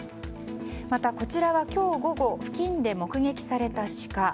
また、こちらは今日午後付近で目撃されたシカ。